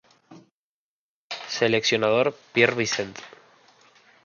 Seleccionador: Pierre Vincent